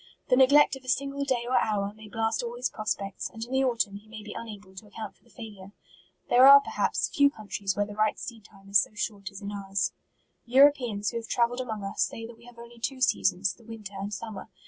The ne glect of a single day or hour, may blast all his prospects, and in the autumn he may be unable to account for the failure. There are, perhaps, few countries where the right seed time is so short as in ours. Europeans who have travelled among us, say that we have only two seasons, the winter and summer.